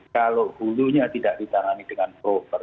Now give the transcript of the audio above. kalau hulunya tidak ditangani dengan proper